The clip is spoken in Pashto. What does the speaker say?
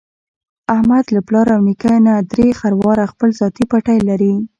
احمد له پلار او نیکه نه درې خرواره خپل ذاتي پټی لري.